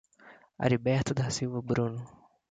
Ariberto da Silva Bruno